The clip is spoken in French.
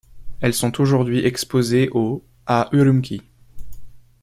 Elles sont aujourd'hui exposées au à Ürümqi.